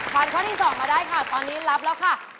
วันนี้รับแล้วค่ะ